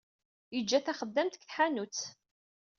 Yeǧǧa taxeddamt deg tḥanutt.